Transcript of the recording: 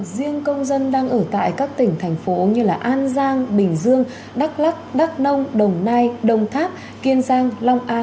riêng công dân đang ở tại các tỉnh thành phố như an giang bình dương đắk lắc đắk nông đồng nai đồng tháp kiên giang long an